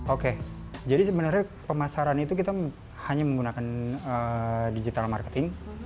oke jadi sebenarnya pemasaran itu kita hanya menggunakan digital marketing